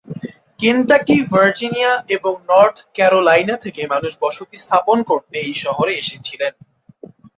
Kentucky, Virginia এবং North Carolina থেকে মানুষ বসতি স্থাপন করতে এই শহরে এসেছিলেন।